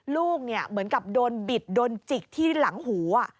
ลูกเหมือนกับโดนบิดโดนจิกที่หลังหู